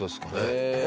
へえ！